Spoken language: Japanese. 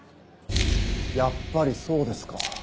やっぱりそうですか。